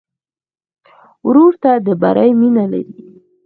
ورور ته د بری مینه لرې.